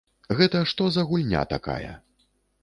Гэта што за гульня такая?